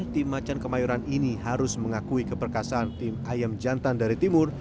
tim macan kemayoran ini harus mengakui keperkasaan tim ayam jantan dari timur